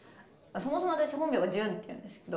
そもそも私本名がジュンっていうんですけど。